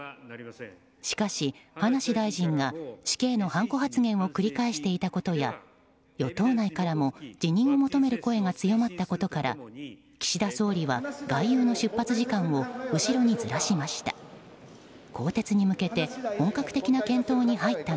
しかし、葉梨大臣が死刑のはんこ発言を繰り返していたことや与党内からも辞任を求める声が強まったことから岸田総理は外遊の出発時間を後ろにずらしました。